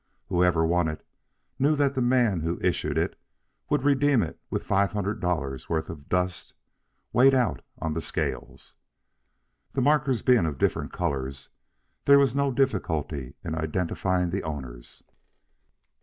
Whoever won it knew that the man who issued it would redeem it with five hundred dollars' worth of dust weighed out on the scales. The markers being of different colors, there was no difficulty in identifying the owners.